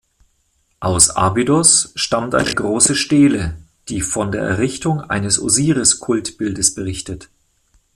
Aus Abydos stammt eine große Stele, die von der Errichtung eines Osiris-Kultbildes berichtet.